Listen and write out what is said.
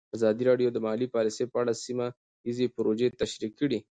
ازادي راډیو د مالي پالیسي په اړه سیمه ییزې پروژې تشریح کړې.